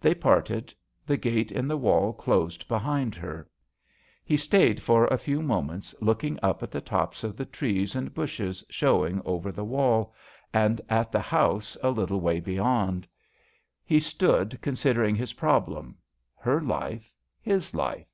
They parted ; the gate in the all closed behind her. He :ayed for a few moments look ig up at the tops of the trees id bushes showing over the all, and at the house a little 96 JOHN SHERMAN. way beyond. He stood con sidering his problem her life, his life.